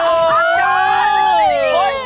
อันนั้น